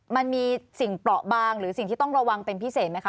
มันมีสิ่งเปราะบางหรือสิ่งที่ต้องระวังเป็นพิเศษไหมคะ